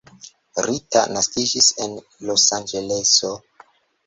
Rita naskiĝis en Losanĝeleso.